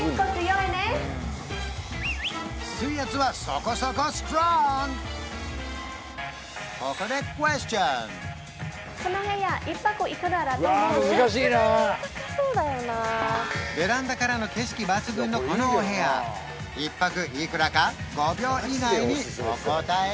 うわここでクエスチョンベランダからの景色抜群のこのお部屋１泊いくらか５秒以内にお答え